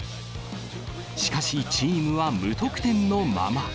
しかし、チームは無得点のまま。